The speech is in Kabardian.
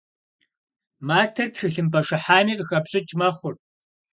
Матэр тхылъымпӏэ шыхьами къыхэпщӏыкӏ мэхъур.